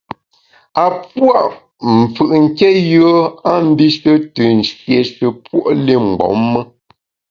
A pua’ mfù’ nké yùe a mbishe te nshieshe puo’ li mgbom me.